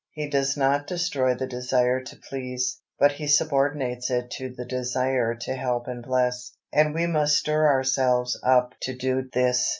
He does not destroy the desire to please, but He subordinates it to the desire to help and bless, and we must stir ourselves up to do this.